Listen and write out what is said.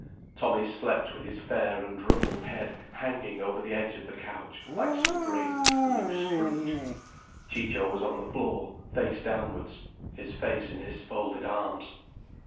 Tommy slept with his fair and ruffled head hanging over the edge of the couch like some great loose fruit, Ciccio was on the floor, face downwards, his face in his folded arms.